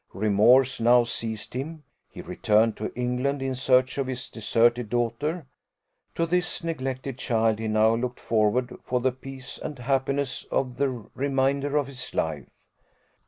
Remorse now seized him; he returned to England in search of his deserted daughter. To this neglected child he now looked forward for the peace and happiness of the remainder of his life.